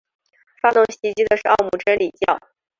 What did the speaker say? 发动袭击的是奥姆真理教。